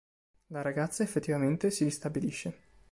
La ragazza, effettivamente, si ristabilisce.